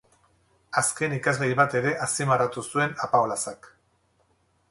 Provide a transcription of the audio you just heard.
Azken ikasgai bat ere azpimarratu zuen Apaolazak.